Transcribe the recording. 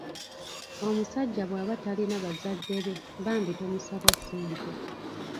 Omusajja bwaba talina bazadde be bambi tomusaba ssente.